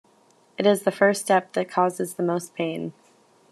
It's the first step that causes the most pain.